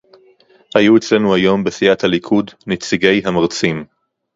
היו אצלנו היום בסיעת הליכוד נציגי המרצים